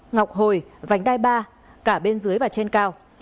ngọc hồi vành đai ba cả bên dưới và trên cao